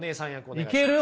いける？